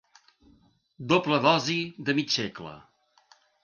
Doble dosi de mig segle.